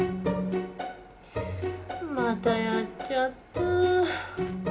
またやっちゃった。